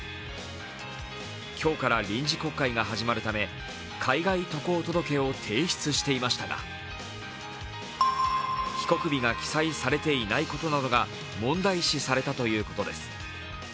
今日から臨時国会が始まるため海外渡航届を提出していましたが、帰国日が記載されていないことなどが問題視されたということです。